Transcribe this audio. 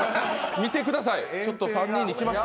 見てください、ちょっと３人に来ました。